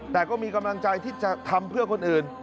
แต่ก็มีกำลังใจที่จะทำเพื่อคนอื่น